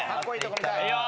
いいよ。